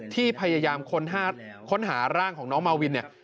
ที่พยายามค้นหาร่างของน้องมาวินเนี่ย